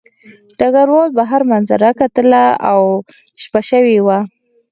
ډګروال بهر منظره کتله او شپه شوې وه